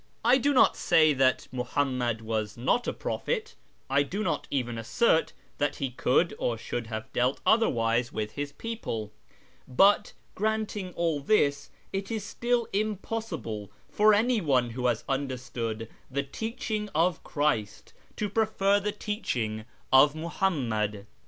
I do not say that Muhammad was not a prophet ; I do not even assert that he could or should have dealt otherwise with his people ; but, granting all this, it is still impossible for any one who has understood the teaching of Christ to prefer the teaching of Muhammad.